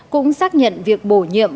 cũng xác nhận việc bổ nhiệm